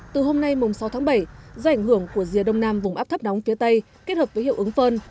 từ hôm nay mùng sáu tháng bảy do ảnh hưởng của rìa đông nam vùng áp thấp nóng phía tây kết hợp với hiệu ứng phơn